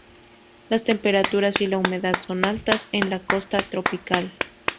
Las temperaturas y la humedad son altas en la costa tropical.